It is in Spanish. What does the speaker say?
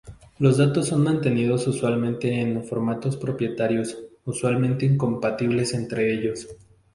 Los datos son mantenidos usualmente en formatos propietarios, usualmente incompatibles entre ellos.